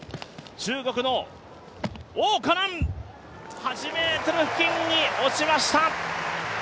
中国の王嘉男、８ｍ付近に落ちました。